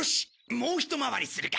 もう一回りするか！